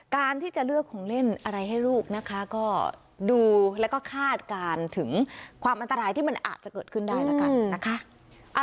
การที่จะเลือกของเล่นอะไรให้ลูกนะคะก็ดูแล้วก็คาดการณ์ถึงความอันตรายที่มันอาจจะเกิดขึ้นได้แล้วกันนะคะ